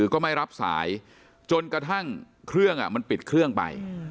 ก็ไม่รับสายจนกระทั่งเครื่องมันปิดเครื่องไป